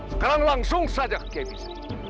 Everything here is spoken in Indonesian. sekarang langsung saja ke capis